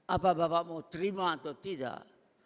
apa bapak mau terima atau tidak